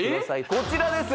こちらです